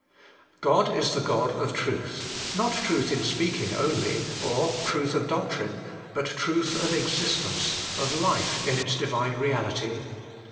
1. God Is the God of truth not truth in speaking only, or truth of doctrine but truth of existence, or life in Its Diuine reality.